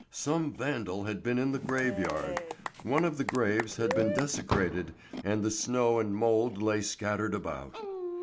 Some vandal had been in the graveyard; one of the graves had been desecrated and the snow and mould lay scattered about.